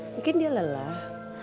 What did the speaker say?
mungkin dia lelah